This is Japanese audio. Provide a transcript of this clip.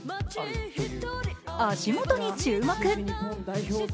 足元に注目。